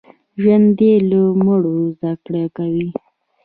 ژوندي له مړو زده کړه کوي